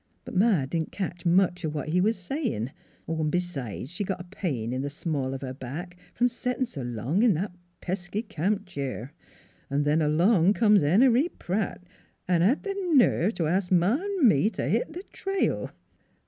But Ma didn't ketch much o' what he was sayin' ; an' b'sides she got a pain in th' small of her back from settin' s' long in that pesky camp cheer. ... An' then along comes Henery Pratt an' hed th' nerve to ask Ma V me t' hit th' trail.